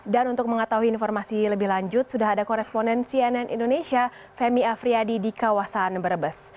dan untuk mengetahui informasi lebih lanjut sudah ada koresponen cnn indonesia femi afriyadi di kawasan brebes